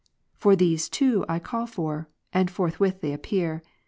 , For these too I call for, and forth with they appear.